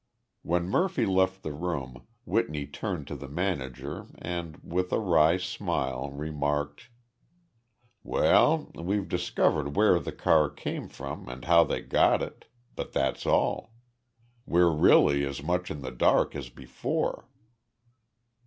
When Murphy left the room, Whitney turned to the manager and, with a wry smile, remarked: "Well, we've discovered where the car came from and how they got it. But that's all. We're really as much in the dark as before."